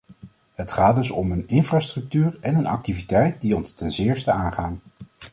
Het gaat dus om een infrastructuur en een activiteit die ons ten zeerste aangaan.